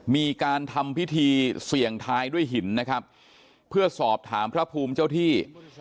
มีการทำพิธีเสี่ยงทายด้วยหินนะครับเพื่อสอบถามพระภูมิเจ้าที่